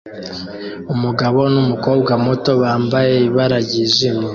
Umugabo numukobwa muto wambaye ibara ryijimye